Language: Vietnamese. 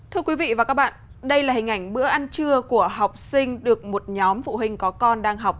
thưa quý vị và các bạn đây là hình ảnh bữa ăn trưa của học sinh được một nhóm phụ huynh có con đang học